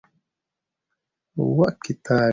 دا ژورنال د کتابونو بیاکتنې نه خپروي.